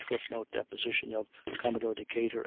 [Footnote: Deposition of Commodore Decatur.